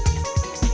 aku mau berbuncung